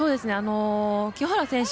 清原選手